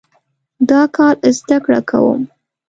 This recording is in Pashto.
دا کال زده کړه کوم